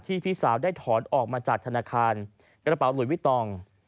พี่สาวได้ถอนออกมาจากธนาคารกระเป๋าหลุยวิตอง